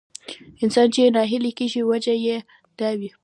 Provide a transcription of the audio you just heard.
انسان چې ناهيلی کېږي وجه يې دا وي.